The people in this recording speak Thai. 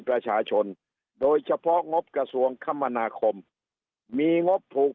ประชาชนโดยเฉพาะงบกระทรวงคมนาคมมีงบถูก